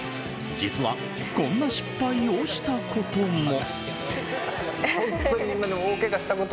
実は、こんな失敗をしたことも。